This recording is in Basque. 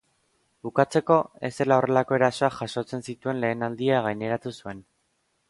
Bukatzeko, ez zela horrelako erasoak jasotzen zituen lehen aldia izan gaineratu zuen.